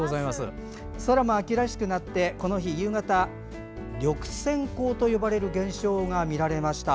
空も秋らしくなってこの日の夕方緑閃光と呼ばれる現象が見られました。